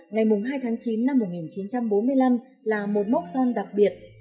ngày hai tháng chín năm một nghìn chín trăm bốn mươi năm là một mốc son đặc biệt